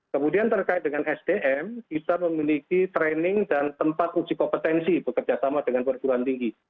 kemudian terkait dengan sdm kita memiliki training dan tempat uji kompetensi bekerja sama dengan perguruan tinggi